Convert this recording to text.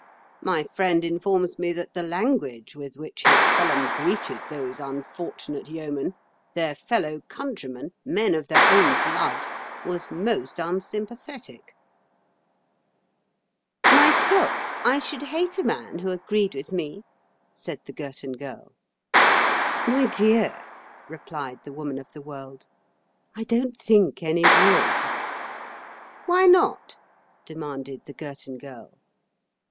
My friend informs me that the language with which his column greeted those unfortunate Yeomen—their fellow countrymen, men of their own blood—was most unsympathetic." "Myself, I should hate a man who agreed with me," said the Girton Girl. "My dear," replied the Woman of the World, "I don't think any would." "Why not?" demanded the Girton Girl.